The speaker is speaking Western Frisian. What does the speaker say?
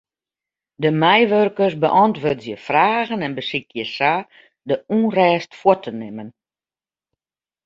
De meiwurkers beäntwurdzje fragen en besykje sa de ûnrêst fuort te nimmen.